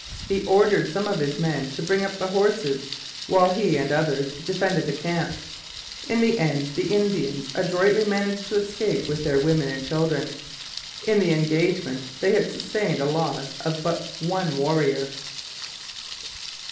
He ordered some of his men to bring up the horses while he and others defended the camp. In the end the Indians adroitly managed to escape with their women and children. In the engagement they had sustained a loss of but one warrior.